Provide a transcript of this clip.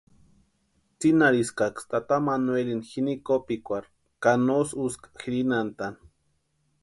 Tsinhariskaksï tata manuelini jini kopikwarhu ka nosï úska jirinantʼani.